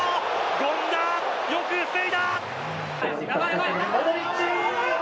権田、よく防いだ。